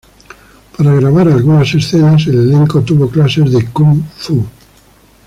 Para grabar algunas escenas, el elenco tuvo clases de Kung fu.